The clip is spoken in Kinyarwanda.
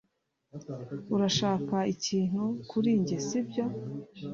Urashaka ikintu kuri njye sibyo